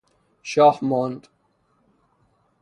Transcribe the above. شاه ماند